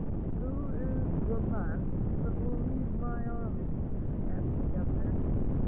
"Who is the man that will lead my army?" asked the Governor.